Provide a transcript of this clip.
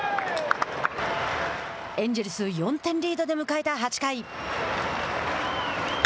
エンジェルス４点リードで迎えた８回。